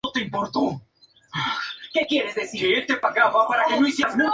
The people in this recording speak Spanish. Este último obtuvo representación por primera vez.